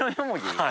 はい。